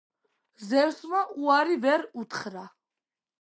ზევსმა უარი ვერ უთხრა.